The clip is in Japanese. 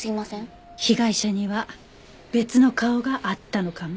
被害者には別の顔があったのかも。